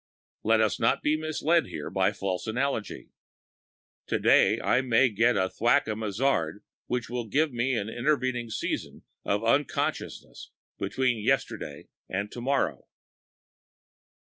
Let us not be misled here by a false analogy. Today I may get a thwack on the mazzard which will give me an intervening season of unconsciousness between yesterday and tomorrow.